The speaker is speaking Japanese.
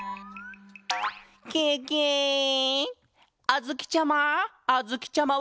あづきちゃま！